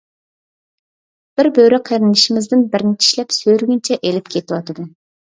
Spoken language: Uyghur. -بىر بۆرە قېرىندىشىمىزدىن بىرنى چىشلەپ سۆرىگىنىچە ئېلىپ كېتىۋاتىدۇ.